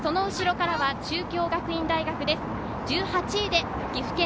その後からは中京学院大学です。